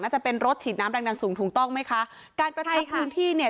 จะเป็นรถฉีดน้ำแรงดันสูงถูกต้องไหมคะการกระชับพื้นที่เนี่ย